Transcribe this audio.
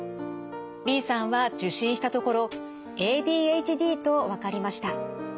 Ｂさんは受診したところＡＤＨＤと分かりました。